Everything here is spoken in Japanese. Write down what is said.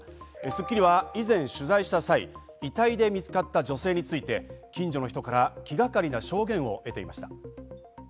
『スッキリ』は以前取材した際、遺体で見つかった女性について近所の人から気がかりな証言を得ていました。